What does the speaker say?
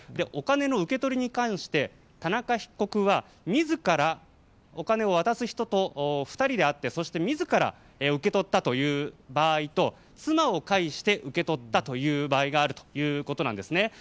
お金の受け取りに関して田中被告は自らお金を渡す人と２人で会ってそして自ら受け取ったという場合と妻を介して受け取った場合があるということなんですね。